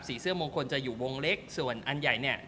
เสื้อมงคลจะอยู่วงเล็กส่วนอันใหญ่เนี่ย